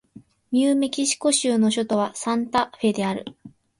ニューメキシコ州の州都はサンタフェである